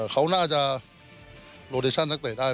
เขาน่าจะโลดิชั่นนักเตะได้